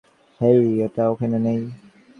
হেই, ওটা ওখানে নেই।